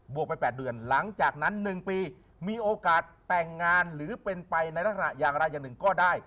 วกไป๘เดือนหลังจากนั้น๑ปีมีโอกาสแต่งงานหรือเป็นไปในลักษณะอย่างไรอย่างหนึ่งก็ได้